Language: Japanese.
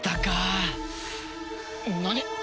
何！？